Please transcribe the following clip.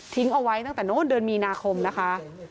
เอาไว้ตั้งแต่โน้นเดือนมีนาคมนะคะ